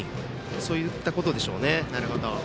そういったことでしょうね。